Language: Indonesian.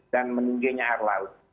dan meningginya air laut